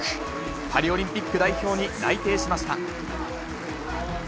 パリオリンピック代表に内定しました。